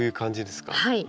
はい。